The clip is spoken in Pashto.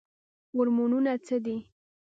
هورمونونه څه دي؟